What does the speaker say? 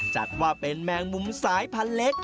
จัดว่าเป็นแมงมุมสายพันธุ์เล็ก